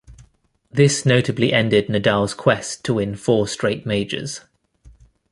This notably ended Nadal's quest to win four straight majors.